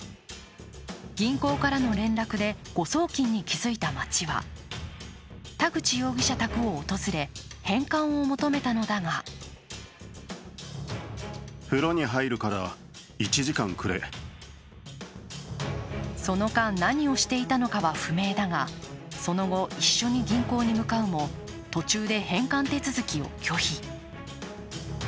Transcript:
銀行からの連絡で誤送金に気づいた町は田口容疑者宅を訪れ返還を求めたのだがその間、何をしていたのかは不明だがその後、一緒に銀行に向かうも、途中で返還手続きを拒否。